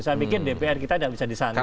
saya pikir dpr kita tidak bisa disandingkan